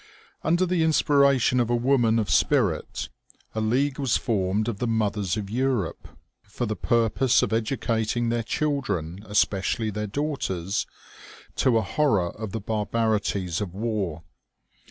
Under the inspiration of a woman of spirit, a league was formed of the mothers of Europe, for the purpose of educating their children, especially their daughters, to a horror of the barbarities of war.